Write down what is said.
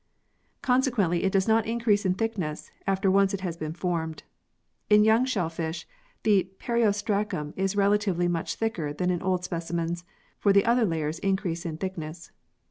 Consequently it does not increase in thickness after once it has been formed. In young shellfish the periostracum is relatively much thicker than in old specimens, for the other layers increase in thickness.